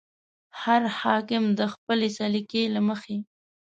هر حاکم د خپلې سلیقې له مخې.